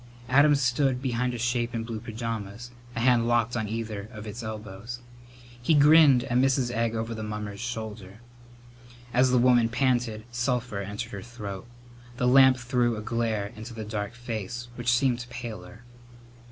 Adam stood behind a shape in blue pajamas, a hand locked on either of its elbows. He grinned at Mrs. Egg over the mummer's shoulder. As the woman panted sulphur entered her throat. The lamp threw a glare into the dark face, which seemed paler.